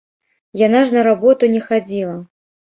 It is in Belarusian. Яна ж на работу не хадзіла.